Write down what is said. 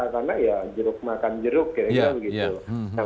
karena ya jeruk makan jeruk kira kira begitu